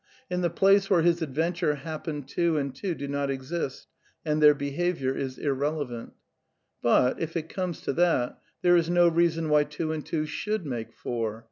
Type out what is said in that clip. In the place where x>^ his adventures happen two and two do not exist, and their qf^ behaviour is irrelevant. But, if it comes to that, there is no reason why two and two should make four.